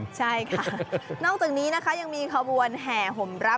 นอกจากนี้นะคะยังมีขบวนแห่ห่มรับ